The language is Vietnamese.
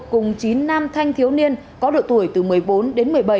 cùng chín nam thanh thiếu niên có độ tuổi từ một mươi bốn đến một mươi bảy